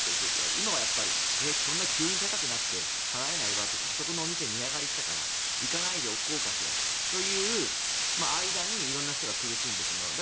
今のって、いきなり高くなって値上がりしたからあそこのお店値上がりしたから行かないでおこうかしらという間に色んな人が苦しんでしまう。